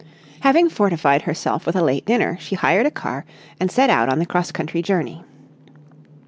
Having fortified herself with a late dinner, she hired a car and set out on the cross country journey.